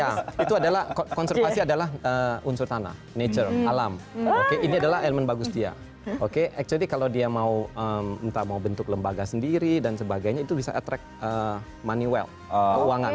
ya itu adalah konservasi adalah unsur tanah nature alam oke ini adalah elemen bagus dia oke actually kalau dia mau entah mau bentuk lembaga sendiri dan sebagainya itu bisa attract money well keuangan